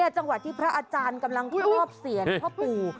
จังหวัดที่พระอาจารย์กำลังมอบเสียงพ่อปู่